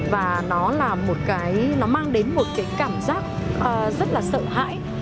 và nó là một cái nó mang đến một cái cảm giác rất là sợ hãi